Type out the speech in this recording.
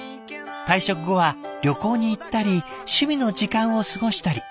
退職後は旅行に行ったり趣味の時間を過ごしたり。